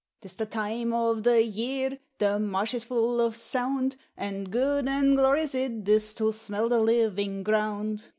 'Tis the time o' the year the marsh is full of sound, And good and glorious it is to smell the living ground.